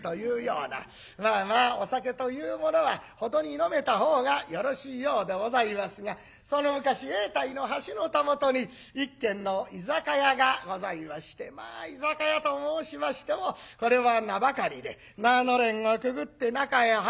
まあまあお酒というものは程に飲めたほうがよろしいようでございますがその昔永代の橋のたもとに一軒の居酒屋がございましてまあ居酒屋と申しましてもこれは名ばかりで縄のれんをくぐって中へ入る。